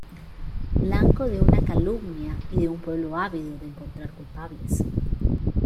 Blanco de una calumnia y de un pueblo ávido de encontrar culpables"".